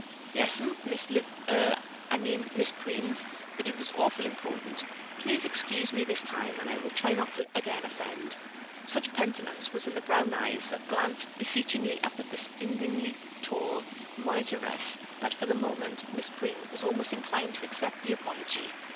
"Yes'm, Miss Liv—er—I mean, Miss Preens, but it was awful important. Please excuse me this time and I will try not to again offend." Such penitence was in the brown eyes that glanced beseechingly up at the spindlingly tall monitress that for the moment Miss Preens was almost inclined to accept the apology.